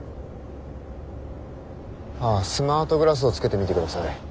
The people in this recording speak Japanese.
あスマートグラスをつけてみてください。